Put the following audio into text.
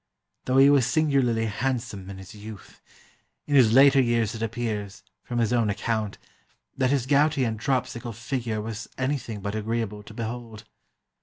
Though he was singularly handsome in his youth, in his later years it appears, from his own account, that his gouty and dropsical figure was anything but agreeable to behold.